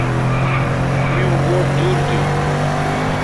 میوں گوٹ دور تھو